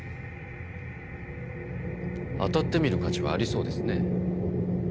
あたってみる価値はありそうですね。